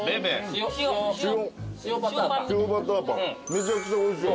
めちゃくちゃおいしい。